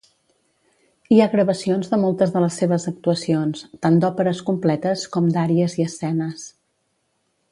Hi ha gravacions de moltes de les seves actuacions, tant d'òperes completes, com d'àries i escenes.